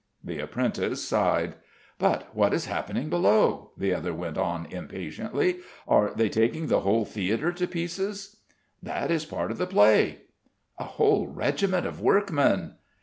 The apprentice sighed. "But what is happening below?" the other went on impatiently. "Are they taking the whole theatre to pieces?" "That is part of the play." "A whole regiment of workmen!"